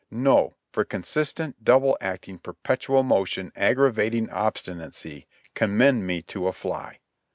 No ! for consistent, double acting, perpetual motion, aggravating obstinacy — commend me to a fly